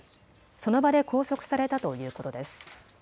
その場で拘束されたということです。